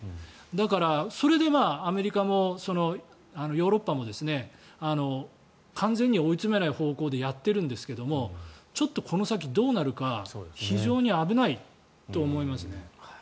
だから、それでアメリカもヨーロッパも完全に追い詰めない方向でやっているんですがちょっとこの先どうなるか非常に危ないと思いますね。